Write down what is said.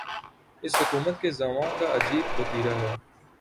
اس حکومت کے زعما کا عجیب وتیرہ ہے۔